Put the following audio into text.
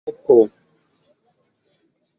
opo